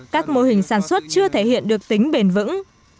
các mô hình sản xuất chưa thể hiện được tính bền vững